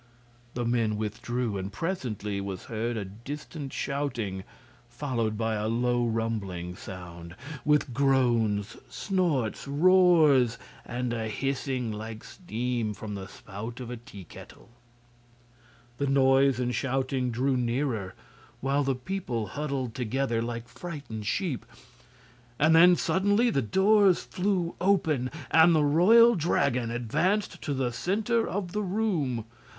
The men withdrew, and presently was heard a distant shouting, followed by a low rumbling sound, with groans, snorts, roars and a hissing like steam from the spout of a teakettle. The noise and shouting drew nearer, while the people huddled together like frightened sheep; and then suddenly the doors flew open and the Royal Dragon advanced to the center of the room.